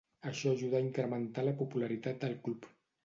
Això ajudà a incrementar la popularitat del club.